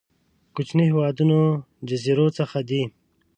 کوچنيو هېوادونو جزيرو څخه دي.